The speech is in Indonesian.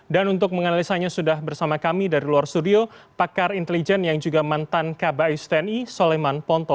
dan untuk menganalisanya sudah bersama kami dari luar studio pakar intelijen yang juga mantan kbh tni soleman ponto